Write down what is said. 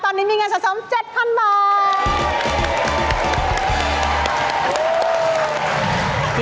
ตอนนี้มีเงินสะสม๗๐๐๐บาท